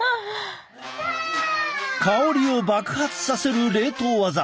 香りを爆発させる冷凍ワザ。